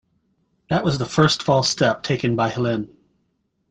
That was the first false step taken by Helene.